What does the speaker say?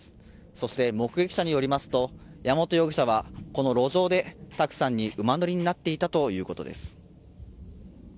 そして、目撃者によりますと山本容疑者はこの路上で卓さんに馬乗りになっていたということです。